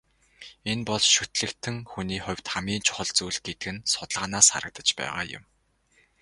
Энэ бол шүтлэгтэн хүний хувьд хамгийн чухал зүйл гэдэг нь судалгаанаас харагдаж байгаа юм.